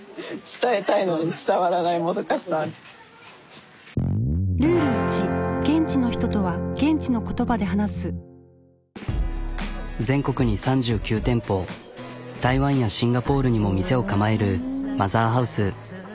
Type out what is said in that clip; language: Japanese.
ははっ全国に３９店舗台湾やシンガポールにも店を構えるマザーハウス。